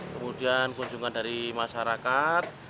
kemudian kunjungan dari masyarakat